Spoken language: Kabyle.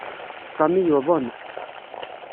Sami yuḍen.